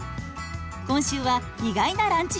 今週は意外なランチ編。